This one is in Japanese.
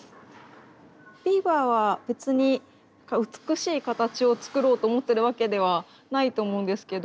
ビーバーは別に美しい形を作ろうと思ってるわけではないと思うんですけど。